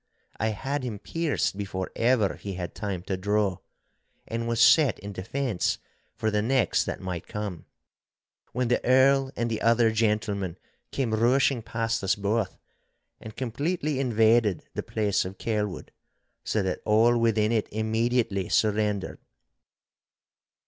I had him pierced before ever he had time to draw, and was set in defence for the next that might come, when the Earl and the other gentlemen came rushing past us both, and completely invaded the place of Kelwood, so that all within it immediately surrendered.